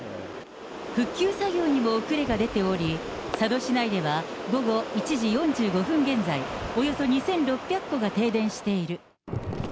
復旧作業にも遅れが出ており、佐渡市内では、午後１時４５分現在、およそ２６００戸が停電している。